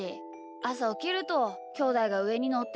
あさおきるときょうだいがうえにのってるし。